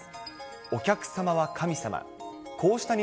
お客様は神様。